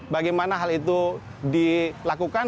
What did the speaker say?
bagaimana hal itu dilakukan